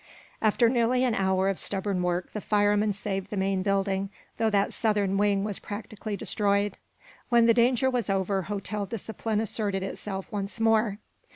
After nearly an hour of stubborn work the firemen saved the main building, though that southern wing was practically destroyed. When the danger was over hotel discipline asserted itself once more.